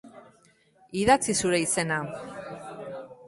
Idatzi zure izena.